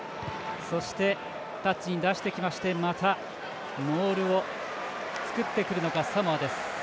そして、タッチに出してきましてまたモールを作ってくるのかサモアです。